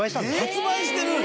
発売してるん？